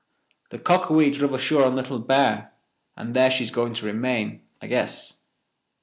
The Cockawee druv ashore on Little Bear, and there she's going to remain, I guess.